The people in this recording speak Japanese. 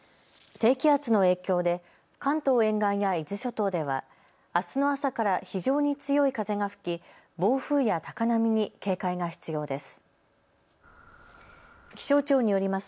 低気圧の影響で関東沿岸や伊豆諸島ではあすの朝から非常に強い風が吹き暴風や高波に警戒が必要です。